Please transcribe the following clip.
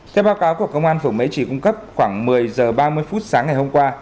theo báo cáo của công an phường mấy trì cung cấp khoảng một mươi h ba mươi phút sáng ngày hôm qua